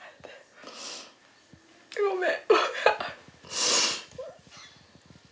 ごめん。